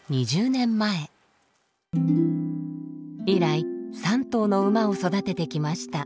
以来３頭の馬を育ててきました。